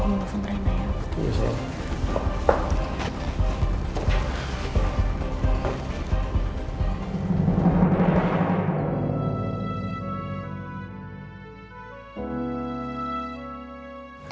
aku mau telfon ternyata ya